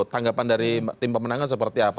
tanggapan dari tim pemenangan seperti apa